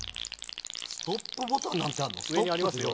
ストップボタンなんてあるの？